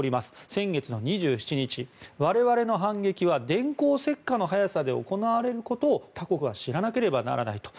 先月２７日、我々の反撃は電光石火の速さで行われることを他国は知らなければならないと。